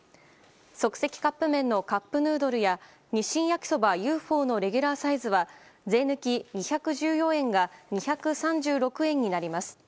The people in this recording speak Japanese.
即席カップ麺のカップヌードルや日清焼そばＵ．Ｆ．Ｏ．のレギュラーサイズは税抜き２１４円が２３６円になります。